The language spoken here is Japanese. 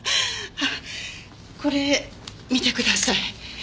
あっこれ見てください。